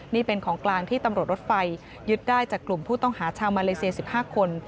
นี่เป็นของกลางที่ตำรวจรถไฟยึดได้จากกลุ่มผู้ต้องหาชาวมาเลเซีย๑๕คน